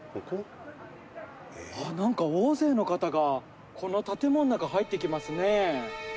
なんか大勢の方がこの建物の中入っていきますね。